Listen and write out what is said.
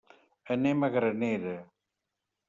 Anem a Granera.